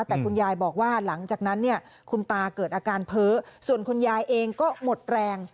แต่คุณยายบอกว่าหลังจากนั้นเนี่ยคุณตาเกิดอาการเพ้อส่วนคุณยายเองก็หมดแรง